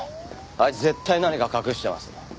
あいつ絶対何か隠してます。